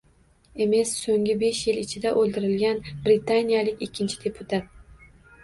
Emess — so‘nggi besh yil ichida o‘ldirilgan britaniyalik ikkinchi deputat